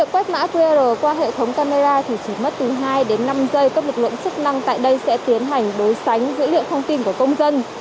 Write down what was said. quét mã qr qua hệ thống camera thì chỉ mất từ hai đến năm giây các lực lượng chức năng tại đây sẽ tiến hành đối sánh dữ liệu thông tin của công dân